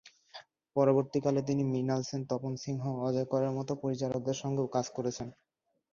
পরবর্তীকালে তিনি মৃণাল সেন, তপন সিংহ, অজয় করের মত পরিচালকদের সঙ্গেও কাজ করেছেন।